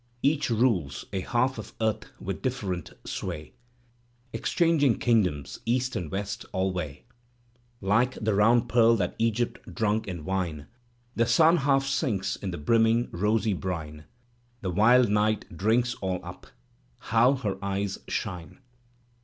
Each rules a half of earth with different sway. Exchanging Idngdoms, East and West, alway* like the round pearl that Egypt drunk in wine. The sim half sinks in the brimming, rosy brine: The wild Night drinks all up : how her eyes shine!